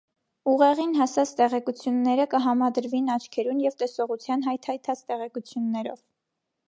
Ուղեղին հասած տեղեկութիւնները կը համադրուին աչքերուն եւ տեսողութեան հայթաթած տեղեկութիւններով։